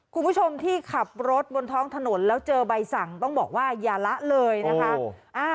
คุณผู้ชมที่ขับรถบนท้องถนนแล้วเจอใบสั่งต้องบอกว่าอย่าละเลยนะคะ